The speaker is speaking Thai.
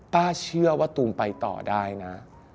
ป้าเชื่อว่าตูมไปต่อได้นะ